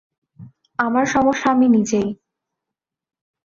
আমার সমস্যা আমি নিজেই।